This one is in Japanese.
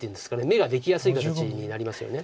眼ができやすい形になりますよね。